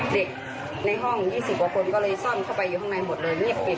เด็กในห้อง๒๐กว่าคนก็เลยซ่อนเข้าไปอยู่ข้างในหมดเลยรีบปิด